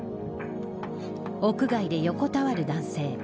屋外で横たわる男性。